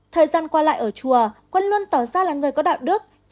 thời gian qua lại ở chùa quân luôn tỏ ra là người có đạo đức